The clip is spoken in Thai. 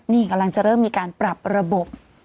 นี่กำลังจะเริ่มมีการปรับระบบ